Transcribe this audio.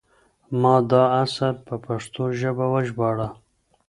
ما دا اثر په پښتو ژبه وژباړه.